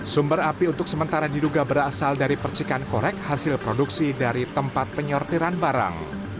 sumber api untuk sementara diduga berasal dari percikan korek hasil produksi dari tempat penyortiran barang